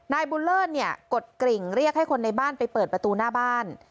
นายบุญเลิศเนี่ยกดกริ่งเรียกให้คนในบ้านไปเปิดประตูหน้าบ้าน